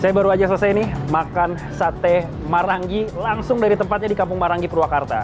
saya baru aja selesai nih makan sate maranggi langsung dari tempatnya di kampung marangi purwakarta